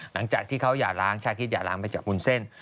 หลังจากที่เขาอย่าล้างชาคิดอย่าล้างไปจากวุ้นเส้น